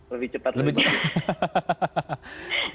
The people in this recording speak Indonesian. lebih cepat lebih baik